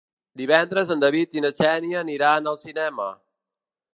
Divendres en David i na Xènia aniran al cinema.